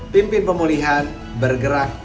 pimpin pemulihan bergerak